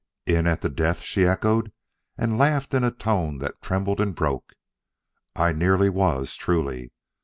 "In at the death!" she echoed, and laughed in a tone that trembled and broke. "I nearly was, truly.